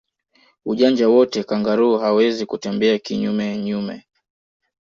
Ujanja wote kangaroo hawezi kutembea kinyume nyume